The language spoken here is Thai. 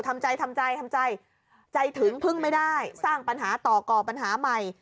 ทำใจทำใจทำใจใจถึงพึ่งไม่ได้สร้างปัญหาต่อก่อปัญหาใหม่